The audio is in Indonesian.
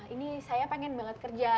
ini saya pengen banget kerja